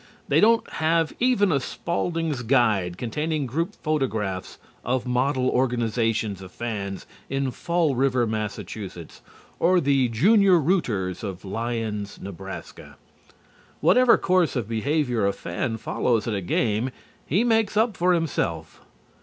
They don't have even a Spalding's Guide containing group photographs of model organizations of fans in Fall River, Mass., or the Junior Rooters of Lyons, Nebraska. Whatever course of behavior a fan follows at a game he makes up for himself.